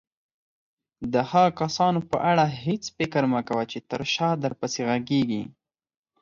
د هغه کسانو په اړه هيڅ فکر مه کوه چې تر شاه درپسې غږيږي.